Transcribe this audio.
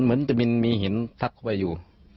เหมือนจะมีหินทักเข้าไปอยู่